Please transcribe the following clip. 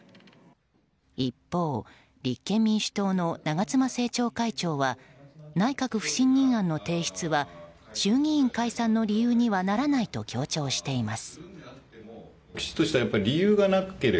一方、立憲民主党の長妻政調会長は内閣不信任案の提出は衆議院解散の理由にはならないと強調しています。